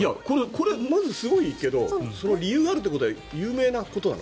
これ、まずすごいけど理由があるということは有名なことなの？